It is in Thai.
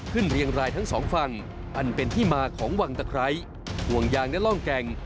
เรียงรายทั้งสองฝั่งอันเป็นที่มาของวังตะไคร้ห่วงยางและร่องแก่ง